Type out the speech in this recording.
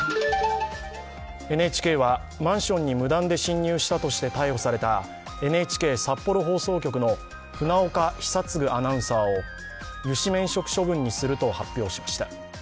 ＮＨＫはマンションに無断で侵入したとして逮捕されたＮＨＫ札幌放送局の船岡久嗣アナウンサーを諭旨免職処分にすると発表しました。